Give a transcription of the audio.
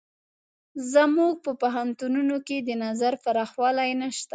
زموږ په پوهنتونونو کې د نظر پراخوالی نشته.